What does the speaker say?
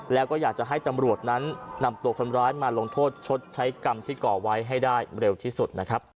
แล้วก็อยากจะให้ตำรวจนั้นนำตัวคนร้ายมาลงโทษชดใช้กรรมที่ก่อไว้ให้ได้เร็วที่สุดนะครับ